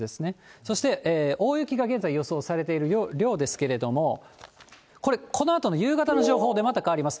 そして、大雪が現在、予想されている量ですけれども、これ、このあとの夕方の情報、また変わります。